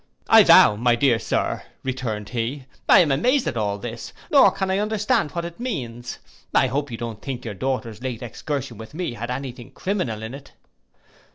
'I vow, my dear sir,' returned he, 'I am amazed at all this; nor can I understand what it means! I hope you don't think your daughter's late excursion with me had any thing criminal in it.